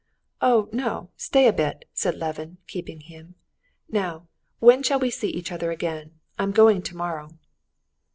"Oh, no, stay a bit!" said Levin, keeping him. "Now, when shall we see each other again? I'm going tomorrow."